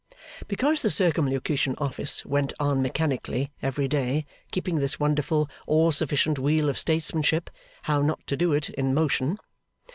Because the Circumlocution Office went on mechanically, every day, keeping this wonderful, all sufficient wheel of statesmanship, How not to do it, in motion.